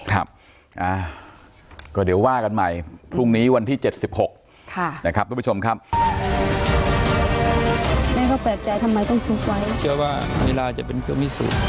ครับก็เดี๋ยวว่ากันใหม่พรุ่งนี้วันที่๗๖นะครับทุกผู้ชมครับ